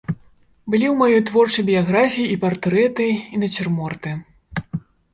Былі ў маёй творчай біяграфіі і партрэты, і нацюрморты.